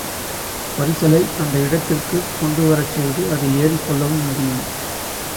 பரிசலை அந்த இடத்திற்குக் கொண்டுவரச் செய்து அதில் ஏறிக்கொள்ளவும் முடியும்.